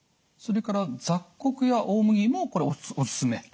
それから雑穀や大麦もこれおすすめ。